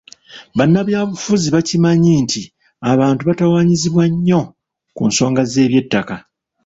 Bannabyabufuzi bakimanyi nti abantu batawaanyizibwa nnyo ku nsonga z’eby'ettaka.